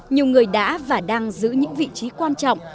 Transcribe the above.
nhiều người đã và đang giữ những vị trí quan trọng